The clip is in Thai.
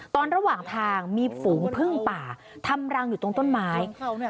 ระหว่างทางมีฝูงพึ่งป่าทำรังอยู่ตรงต้นไม้